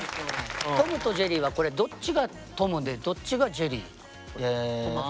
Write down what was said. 「トムとジェリー」はこれどっちがトムでどっちがジェリー？え。